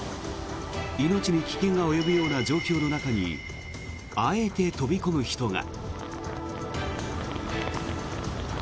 命に危険が及ぶような状況の中にあえて飛び込む人が。